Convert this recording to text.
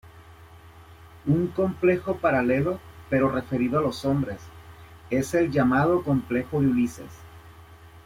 Un complejo paralelo, pero referido a los hombres, es el llamado complejo de Ulises.